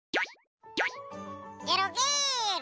ゲロゲロ！